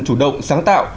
chủ động sáng tạo